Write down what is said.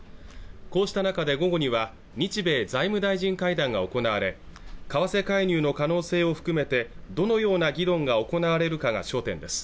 こうした中で午後には日米財務大臣会談が行われ為替介入の可能性を含めてどのような議論が行われるかが焦点です